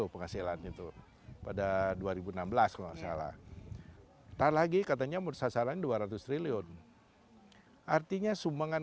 penghasilan itu pada dua ribu enam belas kalau salah tak lagi katanya mursasaranya dua ratus triliun artinya sumbangan